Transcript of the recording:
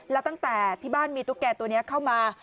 แล้วตั้งแต่ที่บ้านมีตุ๊กแก่ตัวนี้เข้ามา